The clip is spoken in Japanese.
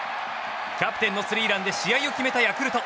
キャプテンのスリーランで試合を決めたヤクルト。